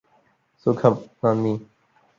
സുഖം നന്ദി